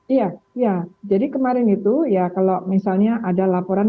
iya ya jadi kemarin itu ya kalau misalnya ada laporan